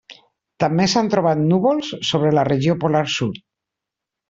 També s'han trobat núvols sobre la regió polar sud.